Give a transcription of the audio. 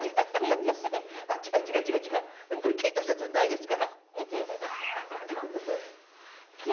これゲンタさんじゃないですから。